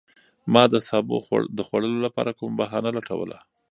ما د سابو د خوړلو لپاره کومه بهانه لټوله.